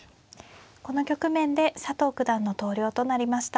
この局面で佐藤九段の投了となりました。